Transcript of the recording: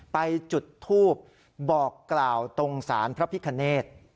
ไปจุดทูบบอกกล่าวตรงสารพระพิคเนธ